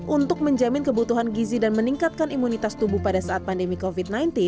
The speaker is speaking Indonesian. untuk menjamin kebutuhan gizi dan meningkatkan imunitas tubuh pada saat pandemi covid sembilan belas